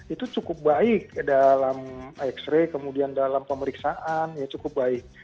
itu cukup baik dalam x ray kemudian dalam pemeriksaan ya cukup baik